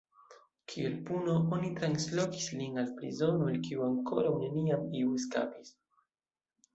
Kiel puno oni translokis lin al prizono el kiu ankoraŭ neniam iu eskapis.